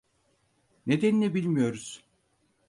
Nedenini bilmiyoruz.